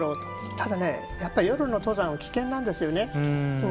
ただね、やっぱり夜の登山は危険なんですよね。